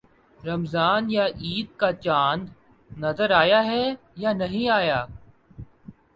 رمضان یا عید کا چاند نظر آیا ہے یا نہیں آیا